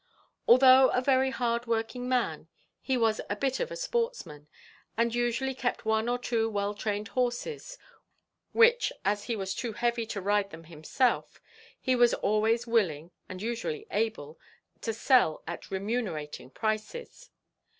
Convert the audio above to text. Although a very hard working man he was a bit of a sportsman, and usually kept one or two well trained horses, which, as he was too heavy to ride them himself, he was always willing, and usually able, to sell at remunerating prices.